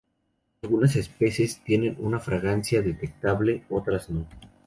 Algunas especies tienen una fragancia detectable, otras no.